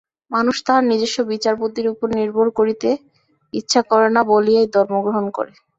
মানুষ তাহার নিজস্ব বিচারবুদ্ধির উপর নির্ভর করিতে ইচ্ছা করে না বলিয়াই ধর্ম গ্রহণ করে।